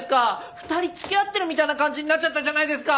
２人付き合ってるみたいな感じになっちゃったじゃないですか！